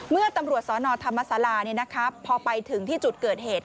เมื่อตำรวจสนธรรมศาลาพอไปถึงที่จุดเกิดเหตุ